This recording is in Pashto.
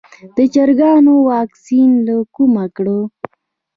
د چرګانو واکسین له کومه کړم؟